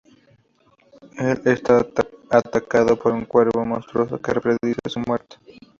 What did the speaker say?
Él es atacado por un cuervo monstruoso, que predice su muerte.